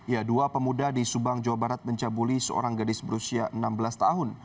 ya dua pemuda di subang jawa barat mencabuli seorang gadis berusia enam belas tahun